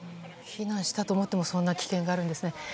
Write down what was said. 避難したと思ってもそんな危険があるんですね。